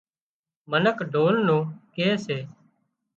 منک ڍول نُون ڪي سي